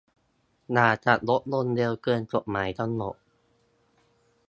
อย่าขับรถยนต์เร็วเกินกฎหมายกำหนด